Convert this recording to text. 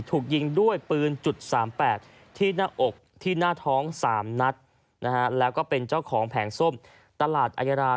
ถูกยิงด้วยปืน๓๘ที่หน้าอกที่หน้าท้อง๓นัดนะฮะแล้วก็เป็นเจ้าของแผงส้มตลาดอายารา